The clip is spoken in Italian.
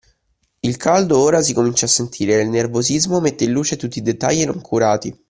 Il caldo ora si comincia a sentire e il nervosismo mette in luce tutti i dettagli non curati